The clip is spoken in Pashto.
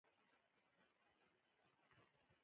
شاوخوا او سیند ته مې وکتل، ورو ورو تګ.